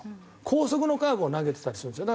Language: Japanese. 高速のカーブを投げてたりするんですよ。